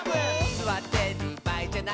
「すわってるばあいじゃない」